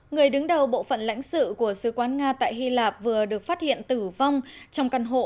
người đứng đầu bộ phận lãnh sự của sứ quán nga tại hy lạp vừa được phát hiện tử vong trong căn hộ